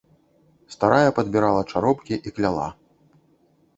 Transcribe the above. Старая падбірала чаропкі і кляла.